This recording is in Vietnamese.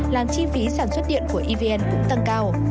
làm chi phí sản xuất điện của evn cũng tăng cao